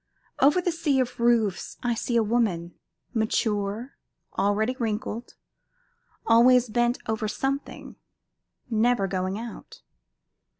Over the sea of roofs I see a woman, mature, already wrinkled, always bent over something, never going out.